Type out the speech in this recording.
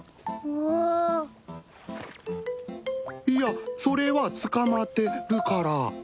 いやそれはつかまってるから。